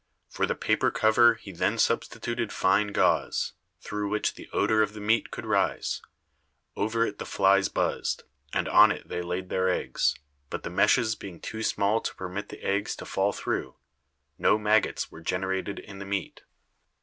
For the paper cover he then substituted fine gauze, through which the odor of the meat could rise. Over it the flies buzzed, and on it they laid their eggs, but the meshes being too small to permit the eggs to fall through, no maggots were generated in the meat.